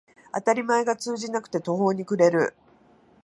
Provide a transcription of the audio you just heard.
当たり前が通じなくて途方に暮れる